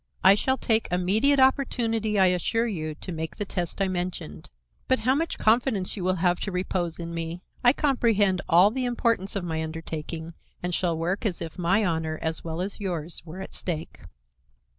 I shall take immediate opportunity, I assure you, to make the test I mentioned. But how much confidence you will have to repose in me! I comprehend all the importance of my undertaking, and shall work as if my honor, as well as yours, were at stake."